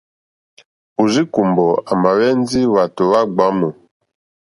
Òrzíkùmbɔ̀ à mà hwɛ́ ndí hwàtò hwá gbǎmù.